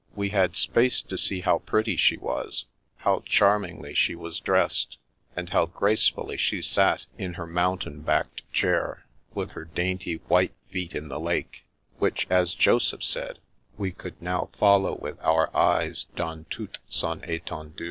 We had space to see how pretty she was, how charm ingly she was dressed, and how gracefully she sat in her mountain*backed chair, with her dainty white feet in the lake, which, as Joseph said, we coidd now follow with our eyes dans toute son Stendue.